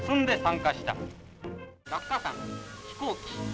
落下傘飛行機。